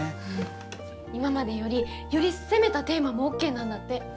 今までよりより攻めたテーマもＯＫなんだって。